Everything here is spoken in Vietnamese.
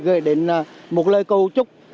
gửi đến một lời cầu chúc